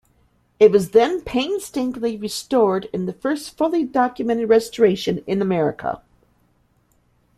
It was then painstakingly restored in the first fully documented restoration in America.